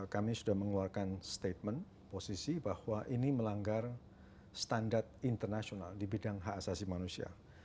kami sudah mengeluarkan statement posisi bahwa ini melanggar standar internasional di bidang hak asasi manusia